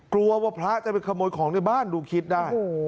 กลัวว่าพระจะไปขโมยของในบ้านดูคิดได้